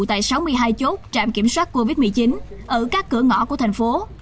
tại sáu mươi hai chốt trạm kiểm soát covid một mươi chín ở các cửa ngõ của thành phố